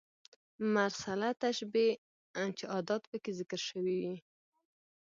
مرسله تشبېه چي ادات پکښي ذکر سوي يي.